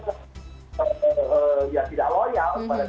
ya tidak loyal kepada kita